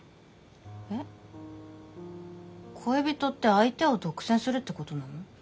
えっ恋人って相手を独占するってことなの？